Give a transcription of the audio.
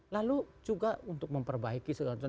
lalu juga untuk memperbaiki segala macam